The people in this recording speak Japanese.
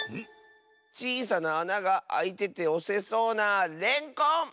ちいさなあながあいてておせそうなレンコン！